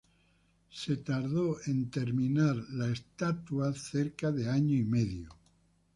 La estatua tomó cerca de un año y medio para ser finalizada.